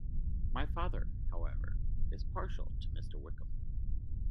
My father, however, is partial to Mr. Wickham.